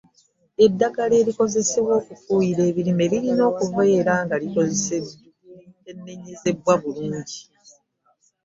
eddagala erikozesebwa okufuyira ebirime lirina okubeera nga kyekenenyezeddwa bulungi